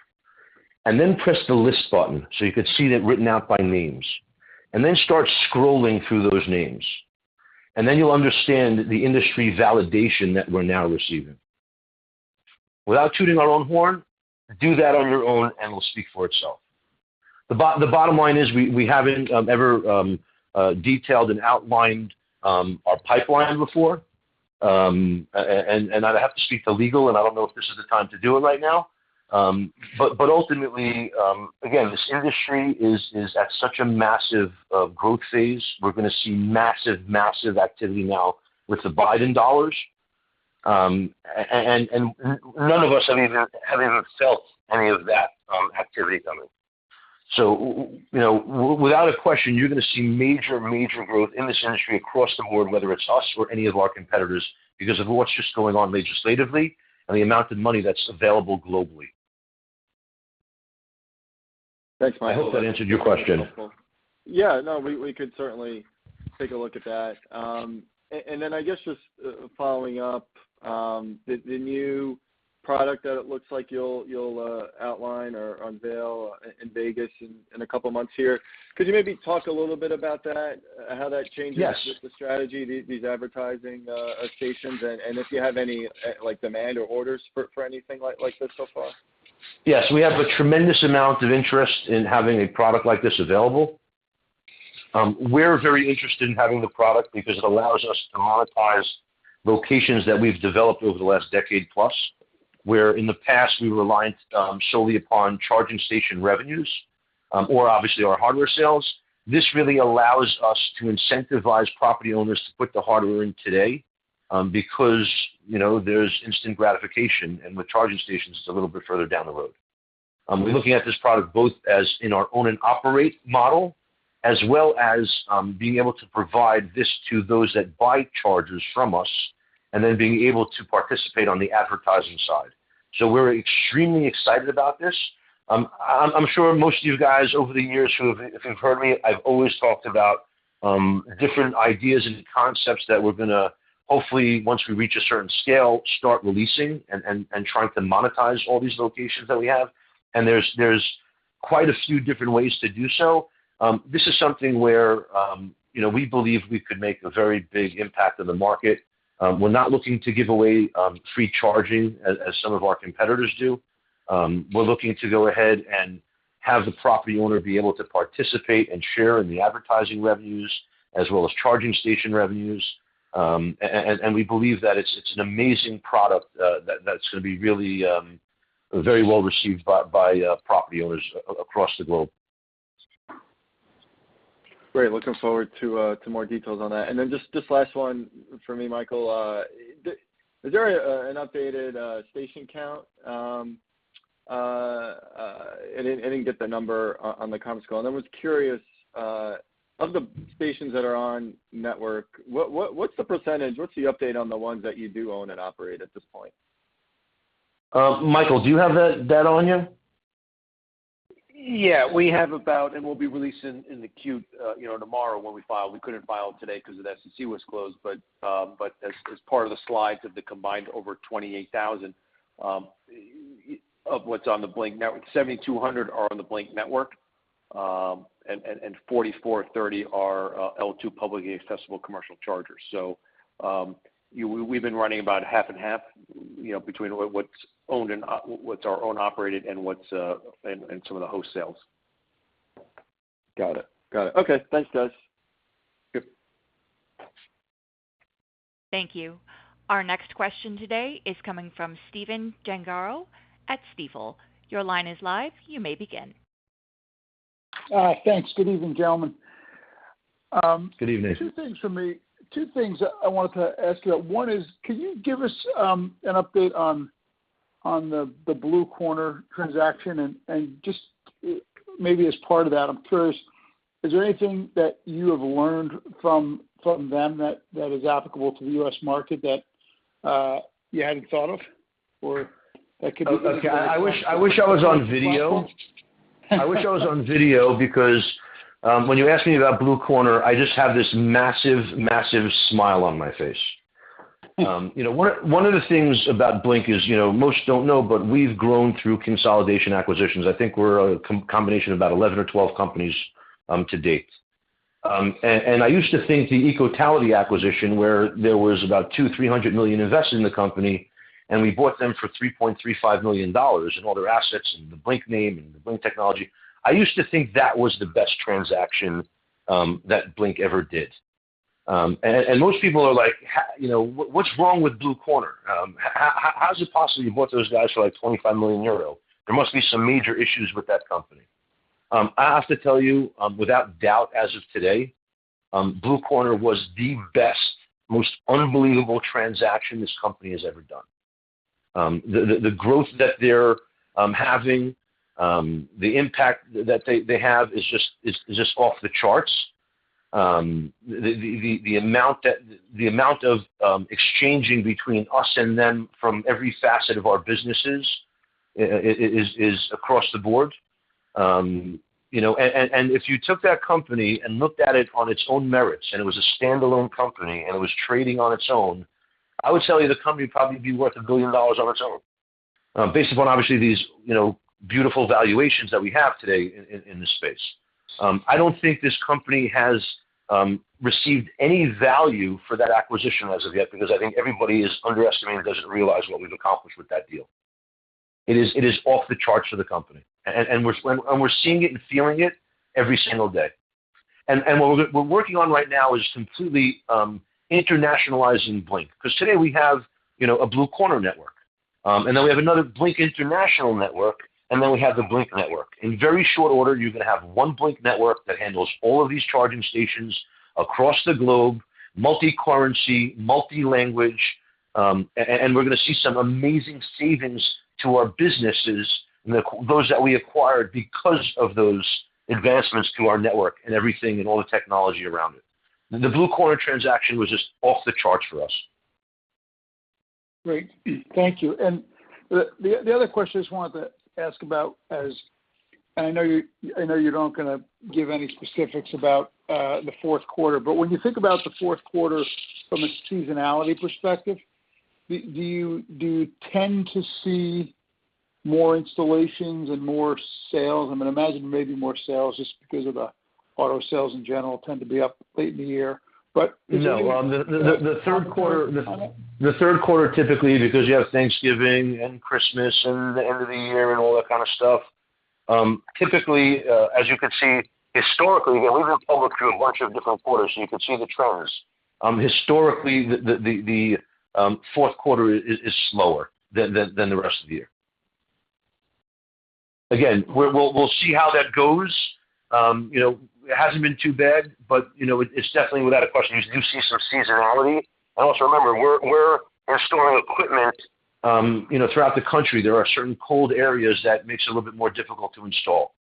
and then press the list button, so you could see them written out by names. Then start scrolling through those names. Then you'll understand the industry validation that we're now receiving. Without tooting our own horn, do that on your own and it'll speak for itself. The bottom line is we haven't ever detailed and outlined our pipeline before. I'd have to speak to legal, and I don't know if this is the time to do it right now. Ultimately, again, this industry is at such a massive growth phase. We're gonna see massive activity now with the Biden dollars. None of us have even felt any of that activity coming. Without a question, you're gonna see major growth in this industry across the board, whether it's us or any of our competitors because of what's just going on legislatively and the amount of money that's available globally. Thanks, Michael. I hope that answered your question. Yeah. No, we could certainly take a look at that. I guess just following up, the new product that it looks like you'll outline or unveil in Vegas in a couple of months here, could you maybe talk a little bit about that, how that changes? Yes just the strategy, these advertising stations and if you have any like demand or orders for anything like this so far? Yes. We have a tremendous amount of interest in having a product like this available. We're very interested in having the product because it allows us to monetize locations that we've developed over the last decade plus, where in the past we relied solely upon charging station revenues or obviously our hardware sales. This really allows us to incentivize property owners to put the hardware in today, because, you know, there's instant gratification, and with charging stations it's a little bit further down the road. We're looking at this product both as in our own and operate model, as well as, being able to provide this to those that buy chargers from us, and then being able to participate on the advertising side. We're extremely excited about this. I'm sure most of you guys over the years if you've heard me, I've always talked about different ideas and concepts that we're gonna hopefully, once we reach a certain scale, start releasing and trying to monetize all these locations that we have. There's quite a few different ways to do so. This is something where, you know, we believe we could make a very big impact on the market. We're not looking to give away free charging as some of our competitors do. We're looking to go ahead and have the property owner be able to participate and share in the advertising revenues as well as charging station revenues. We believe that it's an amazing product that's gonna be really very well received by property owners across the globe. Great. Looking forward to more details on that. Last one from me, Michael. Is there an updated station count? I didn't get the number on the conference call. I was curious of the stations that are on network, what's the percentage, what's the update on the ones that you do own and operate at this point? Michael, do you have that on you? Yeah. We have about and we'll be releasing in the queue tomorrow when we file. We couldn't file today 'cause the SEC was closed. As part of the slides of the combined over 28,000 of what's on the Blink Network, 7,200 are on the Blink Network and 4,430 are L2 publicly accessible commercial chargers. We've been running about half and half, you know, between what's owned and operated and some of the host sites. Got it. Okay, thanks Des. Good. Thank you. Our next question today is coming from Stephen Gengaro at Stifel. Your line is live. You may begin. Thanks. Good evening, gentlemen. Good evening. Two things for me. I wanted to ask you. One is, can you give us an update on the Blue Corner transaction? Just maybe as part of that, I'm curious, is there anything that you have learned from them that is applicable to the U.S. market that you hadn't thought of or that could be- Okay. I wish I was on video because when you ask me about Blue Corner, I just have this massive smile on my face. You know, one of the things about Blink is, you know, most don't know, but we've grown through consolidation acquisitions. I think we're a combination of about 11 or 12 companies to date. I used to think the Ecotality acquisition, where there was about $200 million-$300 million invested in the company, and we bought them for $3.35 million and all their assets and the Blink name and the Blink technology. I used to think that was the best transaction that Blink ever did. Most people are like, "How you know, what's wrong with Blue Corner? How is it possible you bought those guys for, like, 25 million euro? There must be some major issues with that company. I have to tell you, without doubt, as of today, Blue Corner was the best, most unbelievable transaction this company has ever done. The growth that they're having, the impact that they have is just off the charts. The amount of exchanging between us and them from every facet of our businesses is across the board. You know, if you took that company and looked at it on its own merits and it was a standalone company and it was trading on its own, I would tell you the company would probably be worth $1 billion on its own, based upon obviously these, you know, beautiful valuations that we have today in this space. I don't think this company has received any value for that acquisition as of yet, because I think everybody is underestimating or doesn't realize what we've accomplished with that deal. It is off the charts for the company. We're seeing it and feeling it every single day. What we're working on right now is completely internationalizing Blink because today we have, you know, a Blue Corner network. We have another Blink international network, and then we have the Blink Network. In very short order, you're gonna have one Blink Network that handles all of these charging stations across the globe, multi-currency, multi-language, and we're gonna see some amazing savings to our businesses and those that we acquired because of those advancements to our network and everything and all the technology around it. The Blue Corner transaction was just off the charts for us. Great. Thank you. The other question I just wanted to ask about, as I know you're not gonna give any specifics about the fourth quarter, but when you think about the fourth quarter from a seasonality perspective, do you tend to see more installations and more sales? I mean, I imagine maybe more sales just because of the auto sales in general tend to be up late in the year. But is there any The third quarter, typically, because you have Thanksgiving and Christmas and the end of the year and all that kind of stuff, typically, as you can see historically, we went public through a bunch of different quarters, so you can see the trends. Historically, the fourth quarter is slower than the rest of the year. Again, we'll see how that goes. You know, it hasn't been too bad, but you know, it's definitely without a question, you do see some seasonality. Also remember we're storing equipment, you know, throughout the country. There are certain cold areas that makes it a little bit more difficult to install.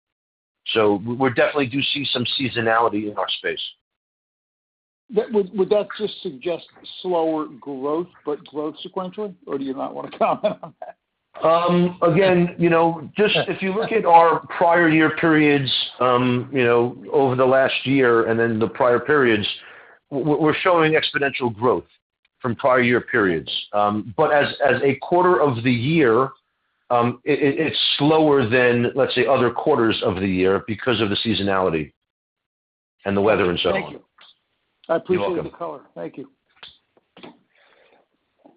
We definitely do see some seasonality in our space. Would that just suggest slower growth but growth sequentially, or do you not wanna comment on that? Again, you know, just if you look at our prior year periods, you know, over the last year and then the prior periods, we're showing exponential growth from prior year periods. As a quarter of the year, it's slower than, let's say, other quarters of the year because of the seasonality and the weather and so on. Thank you. You're welcome. I appreciate the color. Thank you.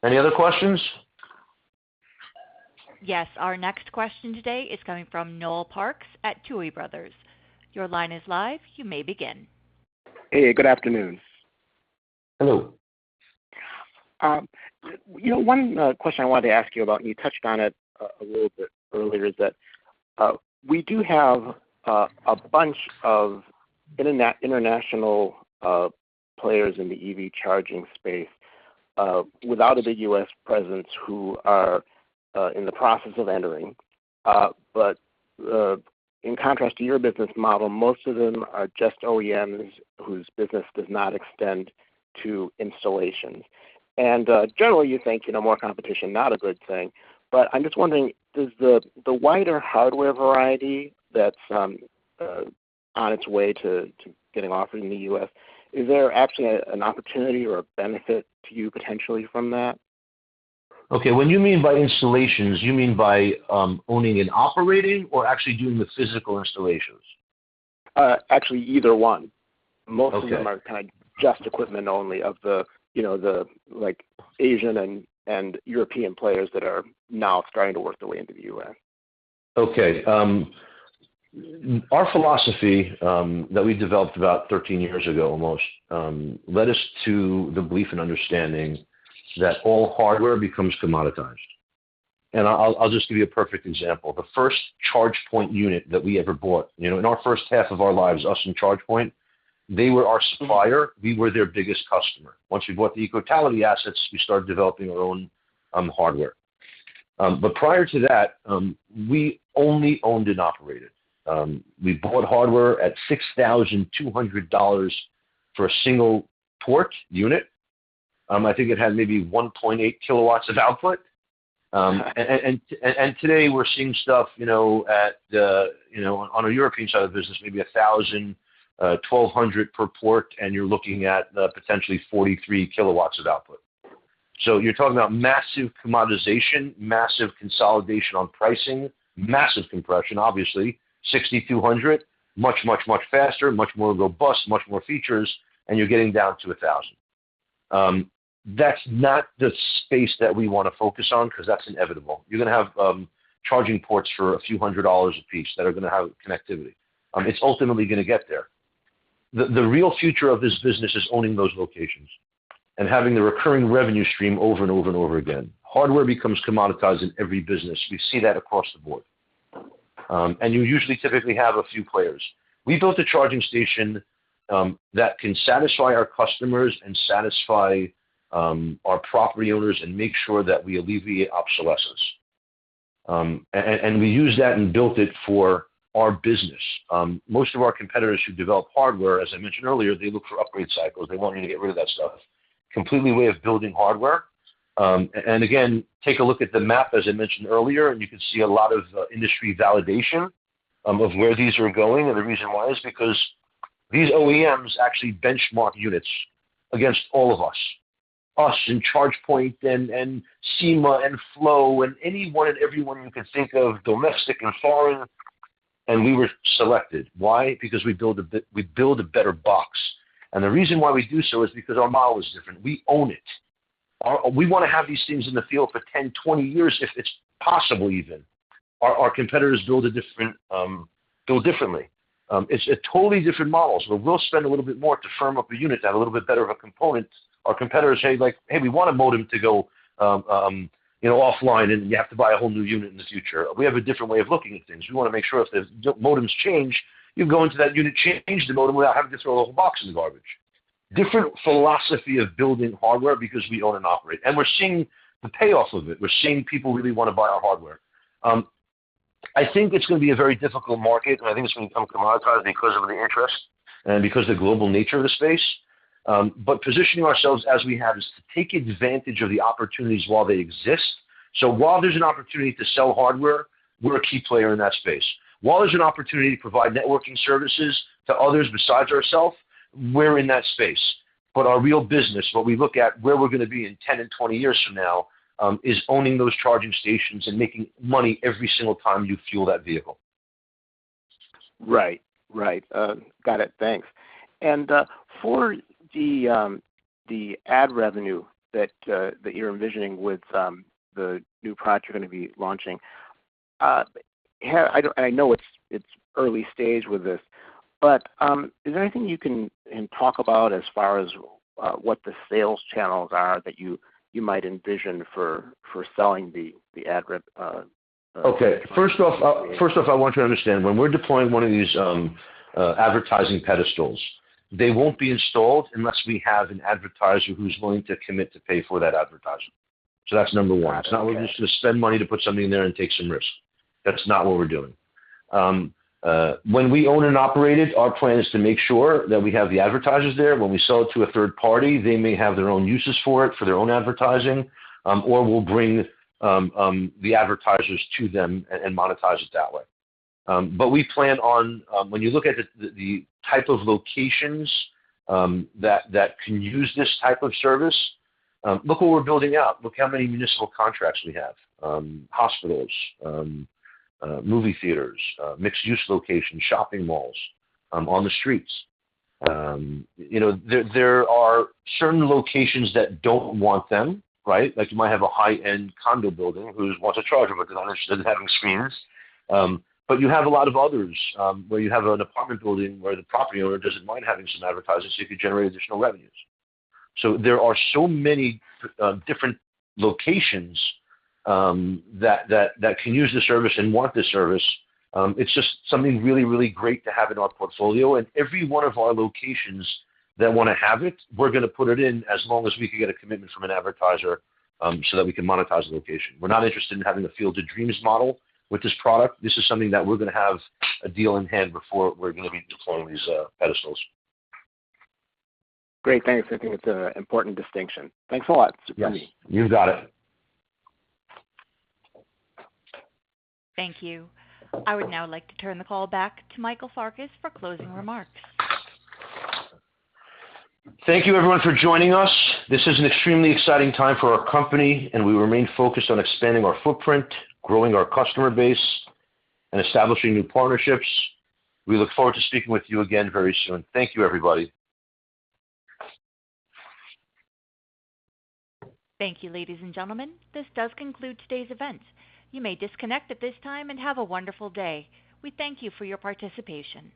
Any other questions? Yes. Our next question today is coming from Noel Parks at Tuohy Brothers. Your line is live. You may begin. Hey, good afternoon. Hello. You know, one question I wanted to ask you about, and you touched on it a little bit earlier, is that we do have a bunch of international players in the EV charging space without a big U.S. presence who are in the process of entering. In contrast to your business model, most of them are just OEMs whose business does not extend to installations. Generally you think, you know, more competition, not a good thing. I'm just wondering, does the wider hardware variety that's on its way to getting offered in the U.S., is there actually an opportunity or a benefit to you potentially from that? Okay. What do you mean by installations, owning and operating or actually doing the physical installations? Actually, either one. Most of them are kind of just equipment only of the, you know, the like Asian and European players that are now starting to work their way into the U.S. Okay. Our philosophy that we developed about 13 years ago almost led us to the belief and understanding that all hardware becomes commoditized. I'll just give you a perfect example. The first ChargePoint unit that we ever bought, you know, in our H1 of our lives, us and ChargePoint, they were our supplier, we were their biggest customer. Once we bought the Ecotality assets, we started developing our own hardware. Prior to that, we only owned and operated. We bought hardware at $6,200 for a single port unit. I think it had maybe 1.8 KW of output. Today we're seeing stuff, you know, at you know on a European side of the business, maybe $1,000-$1,200 per port, and you're looking at potentially 43 KW of output. So, you're talking about massive commoditization, massive consolidation on pricing, massive compression, obviously $6,200, much faster, much more robust, much more features, and you're getting down to $1,000. That's not the space that we wanna focus on because that's inevitable. You're gonna have charging ports for a few $100 a piece that are gonna have connectivity. It's ultimately gonna get there. The real future of this business is owning those locations and having the recurring revenue stream over and over and over again. Hardware becomes commoditized in every business. We see that across the board. You usually typically have a few players. We built a charging station that can satisfy our customers and satisfy our property owners and make sure that we alleviate obsolescence. We used that and built it for our business. Most of our competitors who develop hardware, as I mentioned earlier, they look for upgrade cycles. They want you to get rid of that stuff, a completely different way of building hardware. Again, take a look at the map, as I mentioned earlier, and you can see a lot of industry validation of where these are going. The reason why is because these OEMs actually benchmark units against all of us, ChargePoint, SemaConnect, FLO and anyone and everyone you can think of, domestic and foreign. We were selected. Why? Because we build a better box. The reason why we do so is because our model is different. We own it. We wanna have these things in the field for 10, 20 years, if it's possible even. Our competitors build differently. It's a totally different models, where we'll spend a little bit more to firm up a unit to have a little bit better of a component. Our competitors say like, "Hey, we want a modem to go, you know, offline, and you have to buy a whole new unit in the future." We have a different way of looking at things. We wanna make sure if the modems change, you can go into that unit, change the modem without having to throw the whole box in the garbage. Different philosophy of building hardware because we own and operate. We're seeing the payoffs of it. We're seeing people really wanna buy our hardware. I think it's gonna be a very difficult market, and I think it's gonna become commoditized because of the interest and because of the global nature of the space. Positioning ourselves as we have is to take advantage of the opportunities while they exist. While there's an opportunity to sell hardware, we're a key player in that space. While there's an opportunity to provide networking services to others besides ourself, we're in that space. Our real business, what we look at, where we're gonna be in ten and twenty years from now, is owning those charging stations and making money every single time you fuel that vehicle. Got it. Thanks. For the ad revenue that you're envisioning with the new product you're gonna be launching, I know it's early stage with this, but is there anything you can talk about as far as what the sales channels are that you might envision for selling the ad rev, Okay. First off, I want you to understand, when we're deploying one of these advertising pedestals, they won't be installed unless we have an advertiser who's willing to commit to pay for that advertisement. That's number one. Got it. Okay. It's not like we're just gonna spend money to put something in there and take some risk. That's not what we're doing. When we own and operate it, our plan is to make sure that we have the advertisers there. When we sell it to a third party, they may have their own uses for it, for their own advertising, or we'll bring the advertisers to them and monetize it that way. We plan on, when you look at the type of locations that can use this type of service, look what we're building out. Look how many municipal contracts we have, hospitals, movie theaters, mixed-use locations, shopping malls, on the streets. You know, there are certain locations that don't want them, right? Like you might have a high-end condo building who wants a charger, but doesn't understand having screens. You have a lot of others, where you have an apartment building where the property owner doesn't mind having some advertisers so you can generate additional revenues. There are so many different locations that can use the service and want the service. It's just something really great to have in our portfolio. Every one of our locations that wanna have it, we're gonna put it in as long as we can get a commitment from an advertiser, so that we can monetize the location. We're not interested in having the Field of Dreams model with this product. This is something that we're gonna have a deal in hand before we're gonna be deploying these pedestals. Great. Thanks. I think it's an important distinction. Thanks a lot, Farkas. Yes. You got it. Thank you. I would now like to turn the call back to Michael Farkas for closing remarks. Thank you everyone for joining us. This is an extremely exciting time for our company, and we remain focused on expanding our footprint, growing our customer base, and establishing new partnerships. We look forward to speaking with you again very soon. Thank you, everybody. Thank you, ladies and gentlemen. This does conclude today's event. You may disconnect at this time, and have a wonderful day. We thank you for your participation.